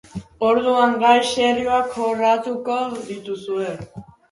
Orduan, gai serioak jorratuko dituzue.